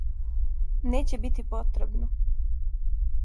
Неће бити потребно.